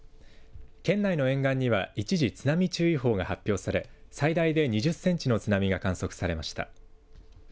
県内の沿岸には一時、津波注意報が発表され最大で２０センチの津波が観測されました。